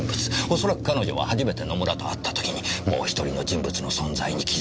恐らく彼女は初めて野村と会った時にもう１人の人物の存在に気づいたのでしょう。